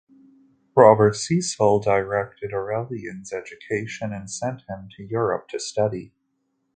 Robert Cecil directed Aurelian's education and sent him to Europe to study.